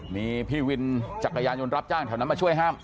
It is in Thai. มีพี่วินจักรยานยนต์รับจ้างแถวนั้นมาช่วยห้าม